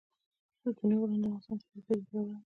ستوني غرونه د افغانستان د طبیعي پدیدو یو رنګ دی.